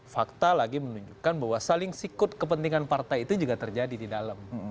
fakta lagi menunjukkan bahwa saling sikut kepentingan partai itu juga terjadi di dalam